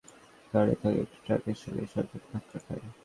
এতে মাহেন্দ্রটি সড়কের পাশে দাঁড়িয়ে থাকা একটি ট্রাকের সঙ্গে সজোরে ধাক্কা খায়।